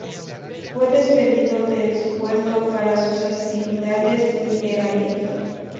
Fue despedido del su puesto para sus actividades literarias.